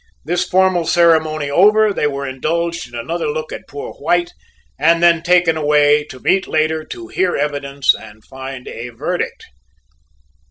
This formal ceremony over, they were indulged in another look at poor White and then taken away to meet later to "hear evidence and find a verdict."